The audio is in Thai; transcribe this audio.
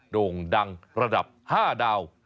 โด่งดังระดับ๕ดาว